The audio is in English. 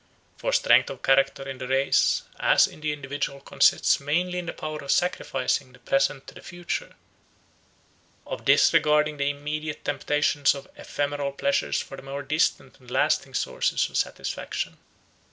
For strength of character in the race as in the individual consists mainly in the power of sacrificing the present to the future, of disregarding the immediate temptations of ephemeral pleasure for more distant and lasting sources of satisfaction.